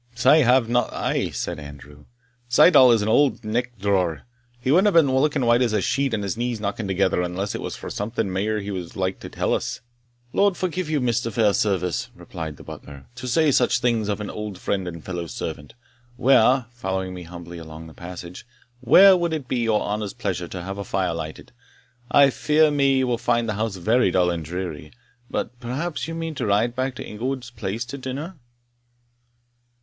"Sae have not I," said Andrew; "Syddall is an auld sneck drawer; he wadna be looking as white as a sheet, and his knees knocking thegither, unless it were for something mair than he's like to tell us." "Lord forgive you, Mr. Fairservice," replied the butler, "to say such things of an old friend and fellow servant! Where" following me humbly along the passage "where would it be your honour's pleasure to have a fire lighted? I fear me you will find the house very dull and dreary But perhaps you mean to ride back to Inglewood Place to dinner?"